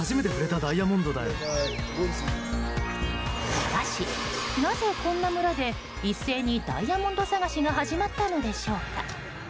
しかし、なぜこんな村で一斉にダイヤモンド探しが始まったのでしょうか。